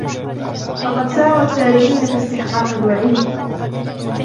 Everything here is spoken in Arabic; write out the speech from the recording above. فَقَدْ سَاوَى التَّارِكِينَ فِي اسْتِحْقَاقِ الْوَعِيدِ